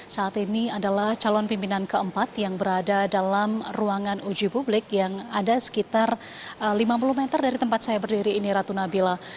saat ini adalah calon pimpinan keempat yang berada dalam ruangan uji publik yang ada sekitar lima puluh meter dari tempat saya berdiri ini ratu nabila